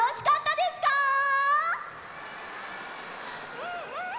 うんうん！